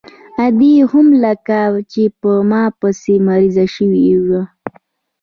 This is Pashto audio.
ادې هم لکه چې په ما پسې مريضه سوې وه.